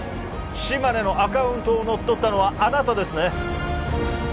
島根のアカウントを乗っ取ったのはあなたですね